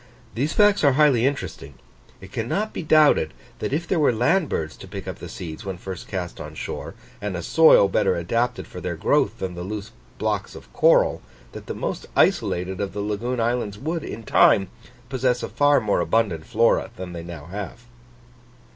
These facts are highly interesting. It cannot be doubted that if there were land birds to pick up the seeds when first cast on shore, and a soil better adapted for their growth than the loose blocks of coral, that the most isolated of the lagoon islands would in time possess a far more abundant Flora than they now have.